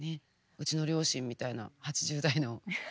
うちの両親みたいな８０代の。